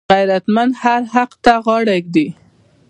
غیرتمند هر حق ته غاړه ږدي